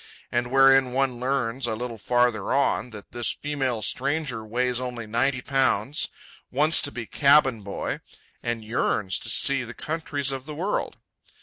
and wherein one learns, a little farther on, that this female stranger weighs only ninety pounds, wants to be cabin boy, and "yearns to see the countries of the world."